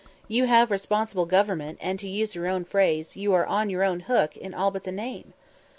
"You have responsible government, and, to use your own phrase, you are on 'your own hook' in all but the name."